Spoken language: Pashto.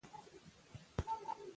د آخرت په ورځ او داسي نورو باور کول .